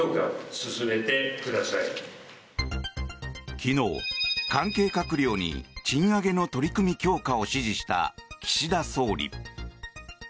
昨日、関係閣僚に賃上げの取り組み強化を指示した岸田総理。